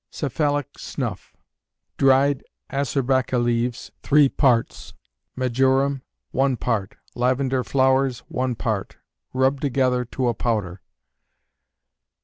Cephalic Snuff. Dried asarbacca leaves, three parts; majoram, one part, lavender flowers, one part; rub together to a powder.